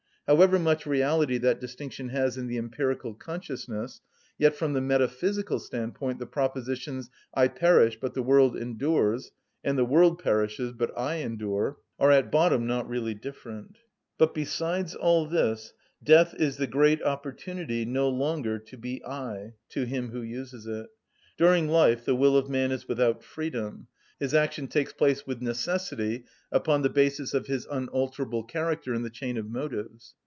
However much reality that distinction has in the empirical consciousness, yet from the metaphysical standpoint the propositions, "I perish, but the world endures," and "The world perishes but I endure," are at bottom not really different. But, besides all this, death is the great opportunity no longer to be I;—to him who uses it. During life the will of man is without freedom: his action takes place with necessity upon the basis of his unalterable character in the chain of motives.